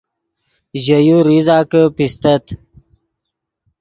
ژے یو ریزہ کہ پیستت